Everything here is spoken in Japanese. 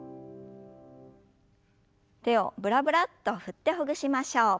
手をブラブラッと振ってほぐしましょう。